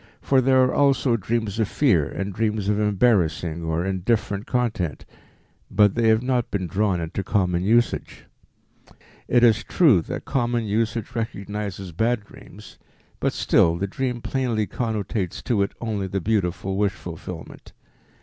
For there are also dreams of fear and dreams of embarrassing or indifferent content, but they have not been drawn into common usage. It is true that common usage recognizes "bad" dreams, but still the dream plainly connotates to it only the beautiful wish fulfillment.